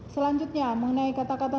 selanjutnya mengenai kata kata